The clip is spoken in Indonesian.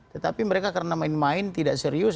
tetapi mereka karena main main tidak serius